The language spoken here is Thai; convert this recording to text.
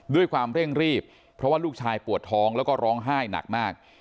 ด้วยความเร่งรีบเพราะว่าลูกชายปวดท้องแล้วก็ร้องไห้หนักมาก